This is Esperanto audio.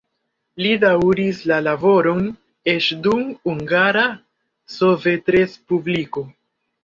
Li daŭris la laboron eĉ dum Hungara Sovetrespubliko.